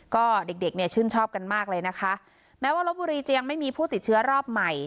ก็เด็กเด็กเนี่ยชื่นชอบกันมากเลยนะคะแม้ว่าลบบุรีจะยังไม่มีผู้ติดเชื้อรอบใหม่